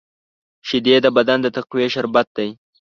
شیدې د بدن د تقویې شربت دی